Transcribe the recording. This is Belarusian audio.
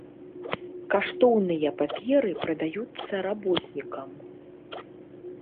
Каштоўныя паперы прадаюцца работнікам.